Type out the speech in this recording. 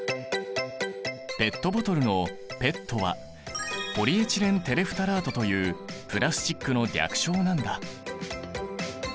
ペットボトルの「ペット」はポリエチレンテレフタラートというプラスチックの略称なんだ。